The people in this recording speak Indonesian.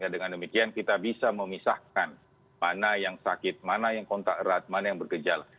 dengan demikian kita bisa memisahkan mana yang sakit mana yang kontak erat mana yang bergejala